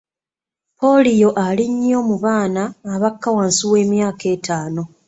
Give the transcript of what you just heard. Ppoliyo ali nnyo mu baana abakka wansi w'emyaka ettaano.